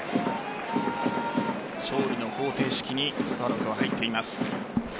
勝利の方程式にスワローズは入っています。